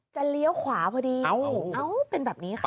จะเลี้ยวขวาพอดีเป็นแบบนี้ค่ะ